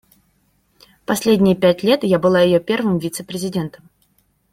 Последние пять лет я была её первым вице-президентом.